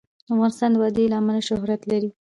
افغانستان د وادي له امله شهرت لري.